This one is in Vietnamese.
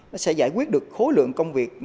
nó sẽ giải quyết được khối lượng công việc nhiều hơn